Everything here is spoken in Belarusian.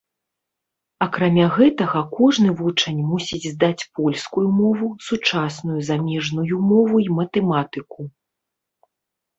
Акрамя гэтага кожны вучань мусіць здаць польскую мову, сучасную замежную мову і матэматыку.